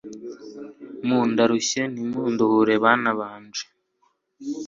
mu ndarushye ntimunduhure bana banje